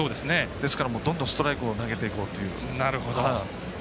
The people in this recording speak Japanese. ですから、どんどんストライクを投げていこうという。